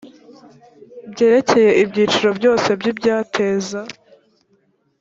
byerekeye ibyiciro byose by ibyateza